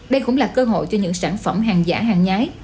đây cũng là cơ hội cho những sản phẩm hàng giả hàng nhái